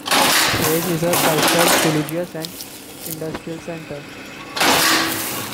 Fez is a cultural, religious and industrial centre.